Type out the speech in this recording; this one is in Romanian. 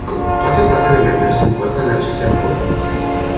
Toate statele membre sunt părți ale acestui acord.